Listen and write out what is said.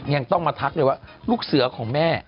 ยังต้องมาทักเลยว่าลูกเสือของแม่